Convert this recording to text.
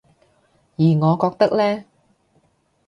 而我覺得呢